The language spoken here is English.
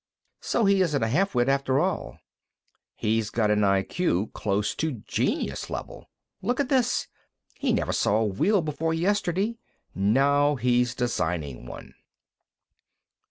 "So he isn't a half wit, after all." "He's got an IQ close to genius level. Look at this; he never saw a wheel before yesterday; now he's designing one."